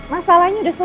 masalahnya udah selesai